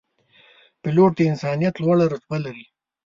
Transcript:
پیلوټ د انسانیت لوړه رتبه لري.